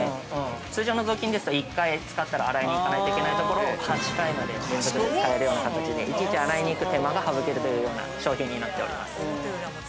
通常の雑巾ですと、１回使ったら洗いに行かないといけないところを８回まで連続で使えるような形でいちいち洗いに行く手間が省けるというような商品になっております。